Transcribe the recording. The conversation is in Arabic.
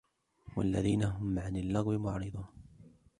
والذين هم عن اللغو معرضون